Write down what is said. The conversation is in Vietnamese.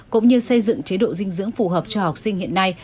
cũng như xây dựng chế độ dinh dưỡng phù hợp cho học sinh hiện nay